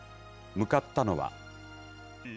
向かったのは。